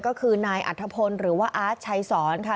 ก็คือนายอัธพลหรือว่าอาร์ตชัยสอนค่ะ